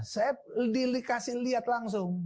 saya dikasih lihat langsung